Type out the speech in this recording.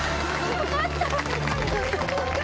よかった！